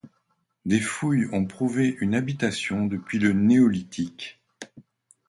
Des fouilles ont prouvé une habitation depuis le Néolithique.